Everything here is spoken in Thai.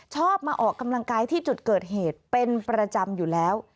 ชอบมาออกกำลังกายที่จุดเกิดเหตุเป็นประจำอยู่แล้ว